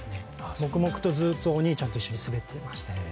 黙々とお兄ちゃんと一緒に滑っていました。